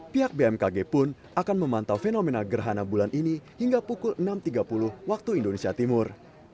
pihak bmkg pun akan memantau fenomena gerhana bulan ini hingga pukul enam tiga puluh waktu indonesia timur